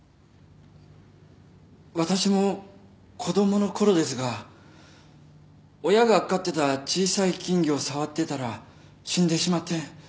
私も子供のころですが親が飼ってた小さい金魚を触ってたら死んでしまって。